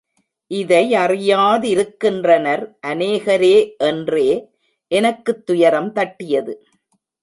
இதையறியாதிருக்கின்றனர் அநேகரே என்றே எனக்குத் துயரம் தட்டியது.